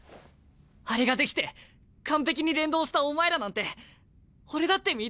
あれができて完璧に連動したお前らなんて俺だって見てえよ！